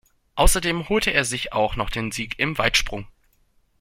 Außerdem holte er sich auch noch den Sieg im Weitsprung.